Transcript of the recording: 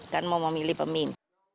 kan mau memilih pemimpin